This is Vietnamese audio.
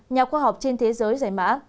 nhà khoa học trên thế giới giải mã